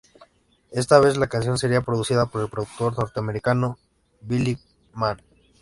Esta vez la canción seria producida por productor norteamericano Billy Mann.